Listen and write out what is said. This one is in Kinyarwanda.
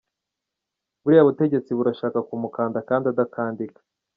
Buriya butegetsi burashaka kumukanda kandi adakandika.